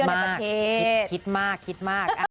คิดมากคิดมากคิดมาก